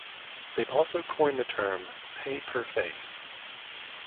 They've also coined the term pay-per-face.